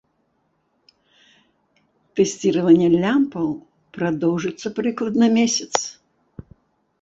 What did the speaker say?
Тэсціраванне лямпаў прадоўжыцца прыкладна месяц.